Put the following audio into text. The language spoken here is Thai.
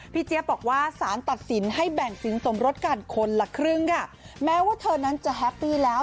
เจี๊ยบบอกว่าสารตัดสินให้แบ่งสินสมรสกันคนละครึ่งค่ะแม้ว่าเธอนั้นจะแฮปปี้แล้ว